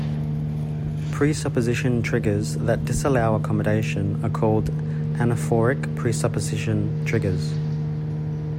Presupposition triggers that disallow accommodation are called anaphoric presupposition triggers.